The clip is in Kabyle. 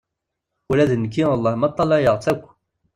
Ula d nekki wellah ma ṭṭalayeɣ-tt akk.